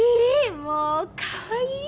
もうかわいい！